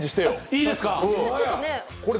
いいですか？